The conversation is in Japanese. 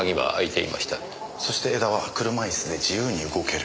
そして江田は車イスで自由に動ける。